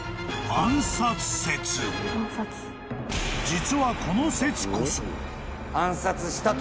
［実はこの説こそ］